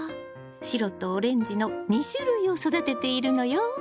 白とオレンジの２種類を育てているのよ！